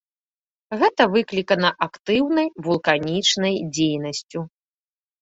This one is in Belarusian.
Гэта выклікана актыўнай вулканічнай дзейнасцю.